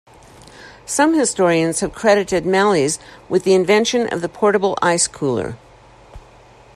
Some historians have credited Malley's with the invention of the portable ice cooler.